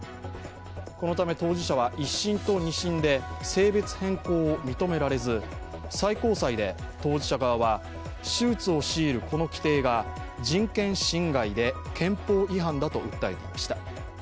このため当事者は１審と２審で性別変更を認められず、最高裁で当事者側は、手術を強いるこの規定が人権侵害で憲法違反だと訴えていました。